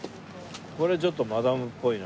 これちょっとマダムっぽいな。